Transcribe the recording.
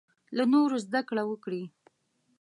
له نورو زده کړه وکړې.